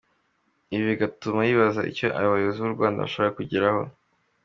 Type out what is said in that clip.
Ibi bigatuma yibaza icyo abayobozi b’u Rwanda bashaka kugeraho.